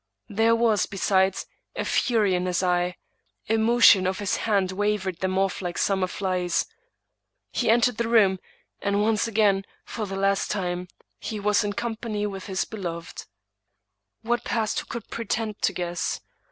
There was, besides, a fury in his eye. A motion of his hand waved them off like sum mer flies; he entered the room, and once again, for the last time, he was in company with his beloved. 142 Thomas De Quincey What passed who could pretend to guess?